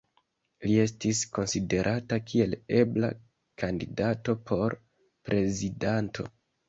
Li estis konsiderata kiel ebla kandidato por prezidanto.